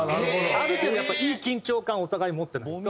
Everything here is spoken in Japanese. ある程度やっぱいい緊張感をお互い持ってないと。